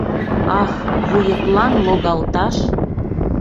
Ах, вуетлан логалташ!